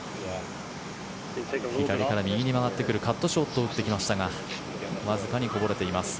左から右に曲がってくるカットショットを打ちましたがわずかにこぼれています。